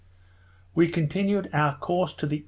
We continued our course to the E.